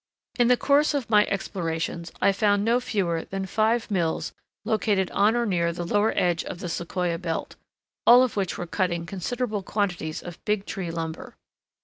In the course of my explorations I found no fewer than five mills located on or near the lower edge of the Sequoia belt, all of which were cutting considerable quantities of Big Tree lumber.